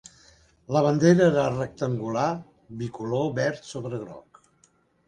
La bandera era rectangular bicolor, verd sobre groc.